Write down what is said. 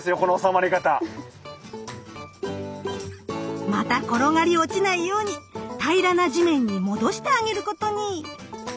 また転がり落ちないように平らな地面に戻してあげることに。